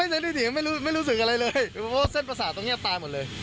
เหมือนคนแบบว่า